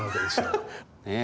ねえ。